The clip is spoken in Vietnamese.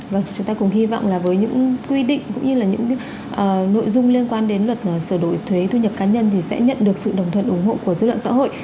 vâng chúng ta cùng hy vọng là với những quy định cũng như là những nội dung liên quan đến luật sửa đổi thuế thu nhập cá nhân thì sẽ nhận được sự đồng thuận ủng hộ của dư luận xã hội